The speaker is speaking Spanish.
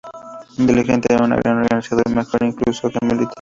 Inteligente, era un gran organizador, mejor incluso que militar.